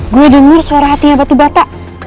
gue dengar suara hatinya batu bata